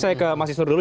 saya ke mas jisun dulu